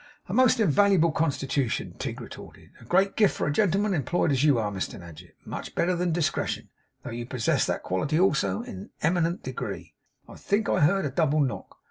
'A most invaluable constitution,' Tigg retorted. 'A great gift for a gentleman employed as you are, Mr Nadgett. Much better than discretion; though you possess that quality also in an eminent degree. I think I heard a double knock.